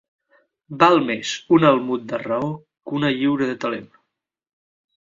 Val més un almud de raó que una lliura de talent.